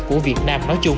của việt nam nói chung